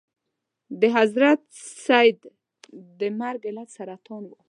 د حضرت سید د مرګ علت سرطان و.